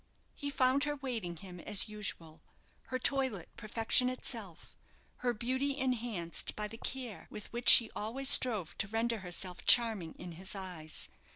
He found her waiting him as usual: her toilet perfection itself; her beauty enhanced by the care with which she always strove to render herself charming in his eyes.